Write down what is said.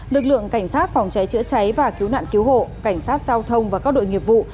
lực lượng cảnh sát phòng cháy chữa cháy và cứu nạn cứu hộ cảnh sát giao thông và các đội nghiệp vụ